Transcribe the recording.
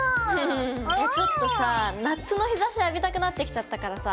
いやあちょっとさあ夏の日ざし浴びたくなってきちゃったからさ。